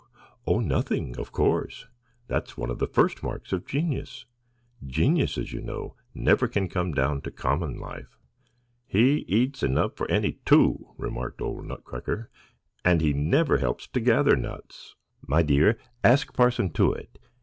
"Oh, nothing, of course; that's one of the first marks of genius. Geniuses, you know, never can come down to common life." "He eats enough for any two," remarked old Nutcracker, "and he never helps to gather nuts." "My dear, ask Parson Too whit.